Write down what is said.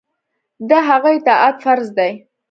د هغه اطاعت فرض دی.